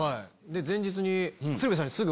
前日に鶴瓶さんにすぐ。